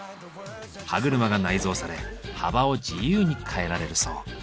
歯車が内蔵され幅を自由に変えられるそう。